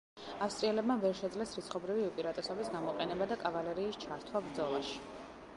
ავსტრიელებმა ვერ შეძლეს რიცხობრივი უპირატესობის გამოყენება და კავალერიის ჩართვა ბრძოლაში.